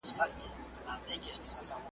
سترګو چي مي ستا لاري څارلې اوس یې نه لرم `